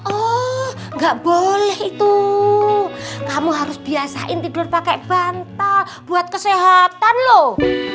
oh nggak boleh itu kamu harus biasain tidur pakai bantal buat kesehatan loh